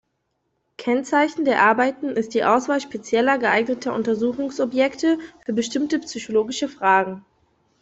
Kennzeichen der Arbeiten ist die Auswahl spezieller geeigneter Untersuchungsobjekte für bestimmte physiologische Fragen.